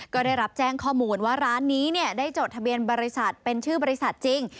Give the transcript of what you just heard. ก็ได้รับแจ้งข้อมูลว่าร้านนี้ได้จดทะเบียนบริษัทเป็นชื่อบริษัทจริง